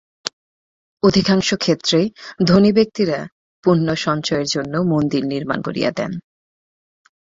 অধিকাংশ ক্ষেত্রেই ধনী ব্যক্তিরা পুণ্যসঞ্চয়ের জন্য মন্দির নির্মাণ করিয়া দেন।